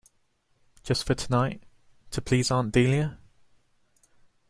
Just for tonight, to please Aunt Dahlia?